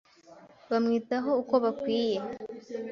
bamwitaho uko bakwiye